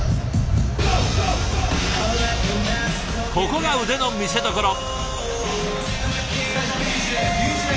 ここが腕の見せどころ。